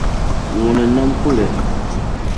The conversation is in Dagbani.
Ŋuni n nam kuli?